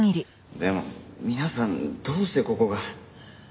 でも皆さんどうしてここが。